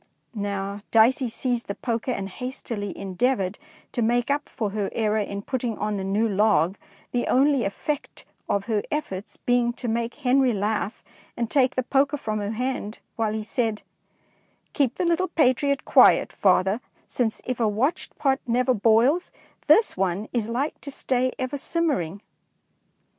Now Dicey seized the poker and hastily endeavoured to make up for her error in putting on the new log, the only effect of her efforts being to make Henry laugh and take the poker from her hand, while he said, —" Keep the little patriot quiet, father, since, if a watched pot never boils, this one is like to stay ever simmering."